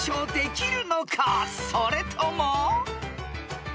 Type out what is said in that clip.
［それとも］